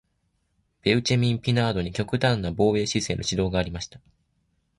ベウチェミン・ピナードに極端な防御姿勢の指導がありました。